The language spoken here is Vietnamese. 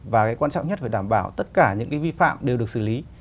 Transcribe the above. và cái quan trọng nhất phải đảm bảo tất cả những cái vi phạm đều được xử lý